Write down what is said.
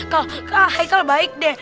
kak haikal baik deh